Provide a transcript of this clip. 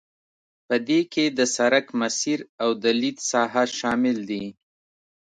په دې کې د سرک مسیر او د لید ساحه شامل دي